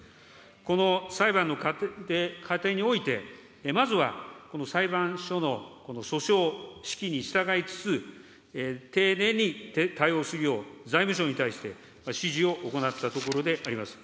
この裁判の過程において、まずはこの裁判所の、この訴訟指揮に従いつつ、丁寧に対応するよう、財務省に対して指示を行ったところであります。